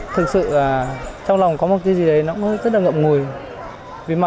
thực sự trong lòng có một cái gì đấy nó cũng rất là ngậm ngùi